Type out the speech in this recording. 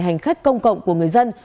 hành khách công cộng của người dân